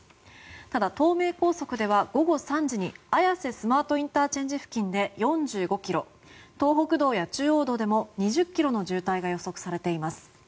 ただ、東名高速では午後３時に綾瀬スマートＩＣ付近で４５ｋｍ東北道や中央道でも２０ｋｍの渋滞が予測されています。